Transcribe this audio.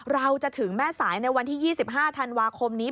เราจะถึงแม่สายในวันที่๒๕ธันวาคมนี้